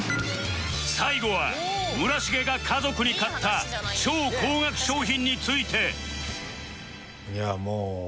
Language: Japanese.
最後は村重が家族に買った超高額商品について